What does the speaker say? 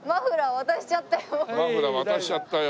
マフラー渡しちゃったよ。